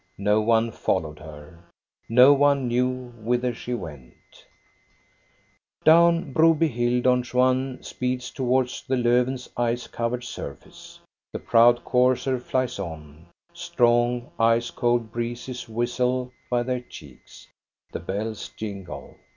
No one followed her. No one knew whither she went Down Broby hill Don Juan speeds towards the Lofven's ice covered surface. The proud courser flies on. Strong, ice cold breezes whistle by their cheeks. The bells jingle.